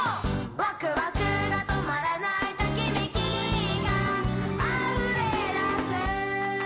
「わくわくがとまらない」「ときめきがあふれだす」